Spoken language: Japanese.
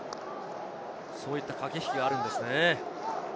そういった駆け引きがあるんですね。